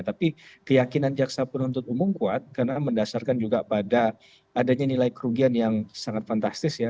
tapi keyakinan jaksa penuntut umum kuat karena mendasarkan juga pada adanya nilai kerugian yang sangat fantastis ya